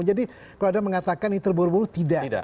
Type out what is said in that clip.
jadi kalau ada yang mengatakan ini terburu buru tidak